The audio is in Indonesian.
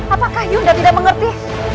apakah yunda tidak mengerti